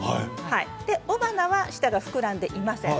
雄花は下が膨らんでいません。